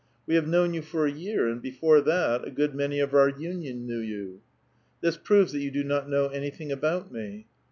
We have known you for a year; and before that a good many of our Union knew 30U." *' This proves that you do not know anything about me."